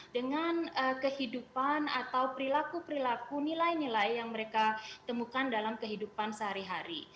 dengan kehidupan atau perilaku perilaku nilai nilai yang mereka temukan dalam kehidupan sehari hari